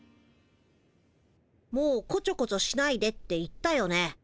もうこちょこちょしないでって言ったよね？